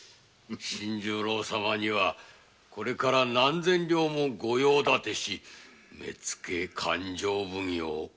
新十郎様にはこれから何千両もご用立てし「目付」「勘定奉行」「大目付」と。